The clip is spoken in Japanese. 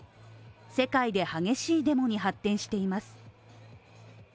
世界で激しいデモに発展しています。